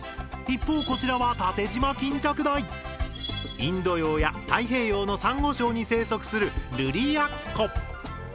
インド洋や太平洋のサンゴ礁に生息するルリヤッコ。